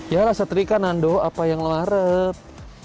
ya lah setrika nando apa yang lo harap